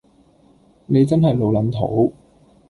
你真係老撚土